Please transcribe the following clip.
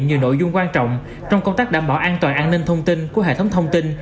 nhiều nội dung quan trọng trong công tác đảm bảo an toàn an ninh thông tin của hệ thống thông tin